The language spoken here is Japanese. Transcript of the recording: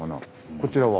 こちらは？